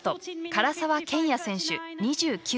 唐澤剣也選手、２９歳。